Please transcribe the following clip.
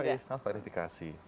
sampai istana harus klarifikasi